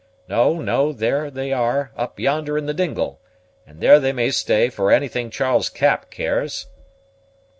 No, no; there they are up yonder in the dingle; and there they may stay, for anything Charles Cap cares."